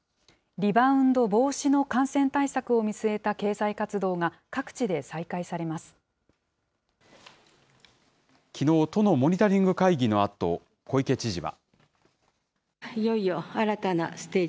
リバウンド防止の感染対策を見据えた経済活動が、各地で再開きのう、都のモニタリング会議のあと、小池知事は。